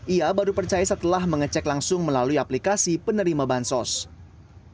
ia baru percaya setelah mengecek langsung melalui aplikasi penerima bansos